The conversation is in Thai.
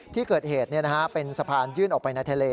ที่เกิดเหตุเป็นสะพานยื่นออกไปในทะเล